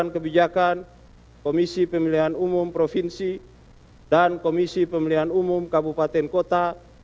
kebijakan komisi pemilihan umum provinsi dan komisi pemilihan umum kabupaten kota